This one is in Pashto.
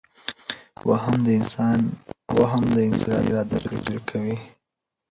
وهم د انسان اراده کمزورې کوي.